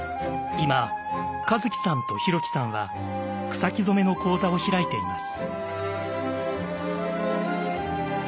今和樹さんと広樹さんは草木染の講座を開いています。